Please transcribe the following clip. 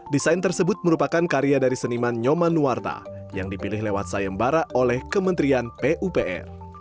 desain tersebut merupakan karya dari seniman nyoman nuwarta yang dipilih lewat sayembara oleh kementerian pupr